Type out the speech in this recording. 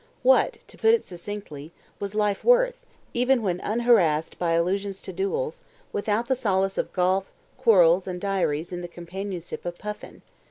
What (to put it succinctly) was life worth, even when unharassed by allusions to duels, without the solace of golf, quarrels and diaries in the companionship of Puffin?